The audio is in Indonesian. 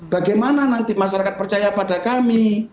bagaimana nanti masyarakat percaya pada kami